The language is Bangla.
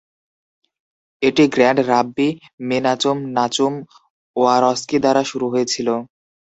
এটি grand rabbi Menachem Nachum Warsky দ্বারা শুরু হয়েছিল।